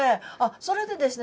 それでですね